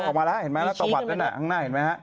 ข้างหน้าเข้ามาเห็นรึนะครับ